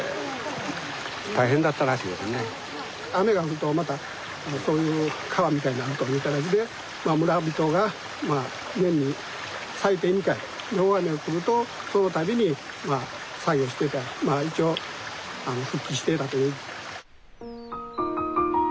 雨が降るとまたそういう川みたいになるという形で村人が年に最低２回大雨が降るとその度に作業してた一応復旧していたという。